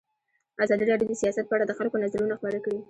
ازادي راډیو د سیاست په اړه د خلکو نظرونه خپاره کړي.